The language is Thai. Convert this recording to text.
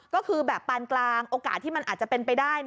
ก็คือแบบปานกลางโอกาสที่มันอาจจะเป็นไปได้